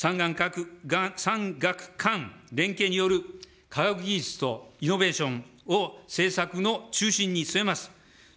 産学官連携による科学技術とイノベーションを政策の中心に据えます。